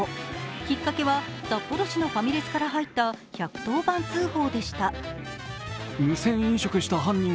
きっかけは札幌市のファミレスから入った１１０番通報でした。